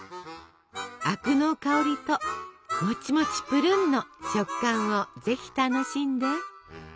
灰汁の香りともちもちぷるんの食感をぜひ楽しんで！